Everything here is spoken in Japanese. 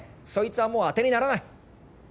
そいつはもう当てにならない。